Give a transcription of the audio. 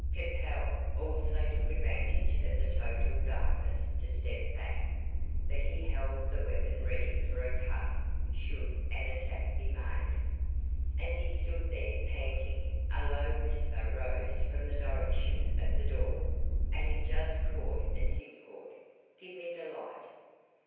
Capel also took advantage of the total darkness to step back, but he held the weapon ready for a cut, should an attack be made. As he stood there, panting, a low whisper rose from the direction of the door, and he just caught its import, "Give me the light."